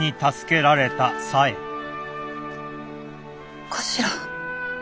お頭。